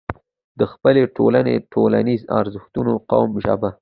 د خپلې ټولنې، ټولنيز ارزښتونه، قوم، ژبه